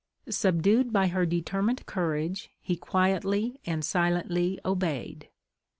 Subdued by her determined courage, he quietly and silently obeyed.